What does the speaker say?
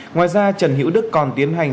ngoài ra trần hữu đức còn tiến hành